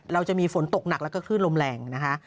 เราจะมีฝนตกหนักแล้วก็คลื่นลมแรงนะคะ